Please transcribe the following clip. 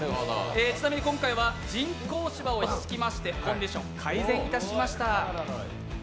ちなみに今回は人工芝を敷きましてコンディション改善いたしました。